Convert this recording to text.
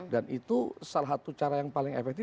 dan itu salah satu cara yang paling efektif